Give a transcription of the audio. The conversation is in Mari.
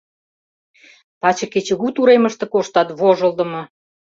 Таче кечыгут уремыште коштат, вожылдымо.